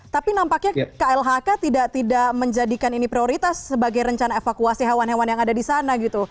tapi nampaknya klhk tidak menjadikan ini prioritas sebagai rencana evakuasi hewan hewan yang ada di sana gitu